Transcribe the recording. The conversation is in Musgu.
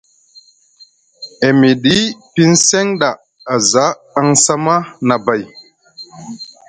E miɗi piŋ seŋ ɗa a za aŋ sama nʼabay.